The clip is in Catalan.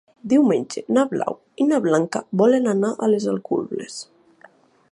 Diumenge na Blau i na Blanca volen anar a les Alcubles.